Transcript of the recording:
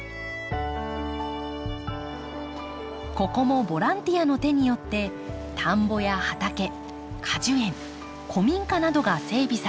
ここもボランティアの手によって田んぼや畑果樹園古民家などが整備されています。